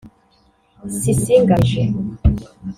Sissi Ngamije